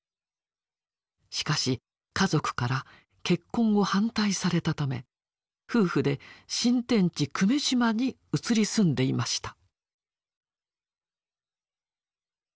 しかし家族から結婚を反対されたため夫婦で新天地久米島に移り住んでいました。